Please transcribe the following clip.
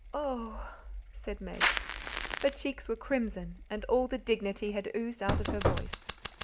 "Oh h h!" said Meg. Her cheeks were crimson, and all the dignity had oozed out of her voice.